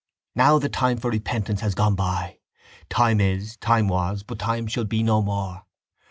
Now the time for repentance has gone by. Time is, time was, but time shall be no more!